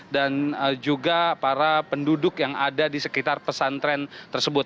dan juga para penduduk yang ada di sekitar pesantren tersebut